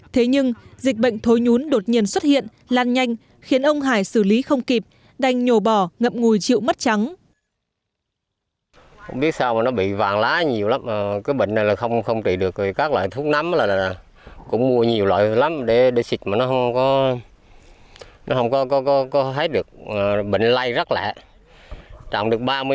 thế nhưng dịch bệnh thối nhún đột nhiên xuất hiện lan nhanh khiến ông hải xử lý không kịp đành nhổ bỏ ngậm ngùi chịu mất trắng